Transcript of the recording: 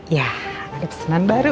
ya ada pesanan baru